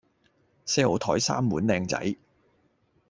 四號枱三碗靚仔